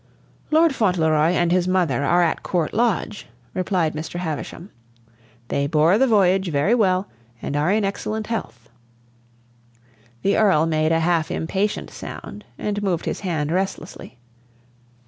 "Lord Fauntleroy and his mother are at Court Lodge," replied Mr. Havisham. "They bore the voyage very well and are in excellent health." The Earl made a half impatient sound and moved his hand restlessly.